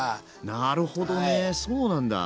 なるほどねそうなんだ。